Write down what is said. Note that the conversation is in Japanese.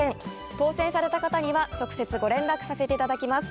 当せんされた方には直接ご連絡させていただきます。